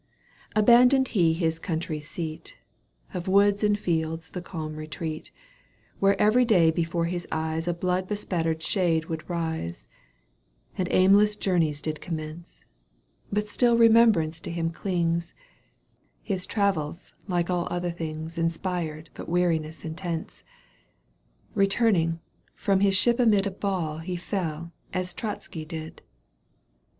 Abandoned he his country seat. Of woods and fields the calm retreat. Where every day before his eyes A blood bespattered shade would rise. And aimless journeys did commence — Digitized by VjOOQ 1С CANTO viiL EUGENE ON^GUINE. 229 But still remembrance to him clings, Bus travels like all other things Inspired but weariness intense ;^ Eetuming, from his ship amid A ЬаД he feU as Tchatzki did.